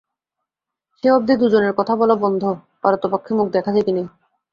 সেই অবধি দুজনের কথা বন্ধ, পারতপক্ষে মুখ দেখাদেখি নেই।